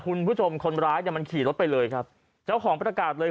คุณผู้ชมคนร้ายเนี่ยมันขี่รถไปเลยครับเจ้าของประกาศเลย